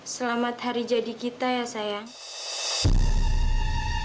selamat hari jadi kita ya sayang